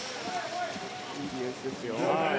いいディフェンスですよ。